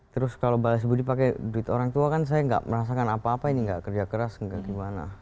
terus kalau balas budi pakai duit orang tua kan saya nggak merasakan apa apa ini nggak kerja keras nggak gimana